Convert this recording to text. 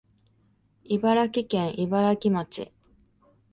茨城県茨城町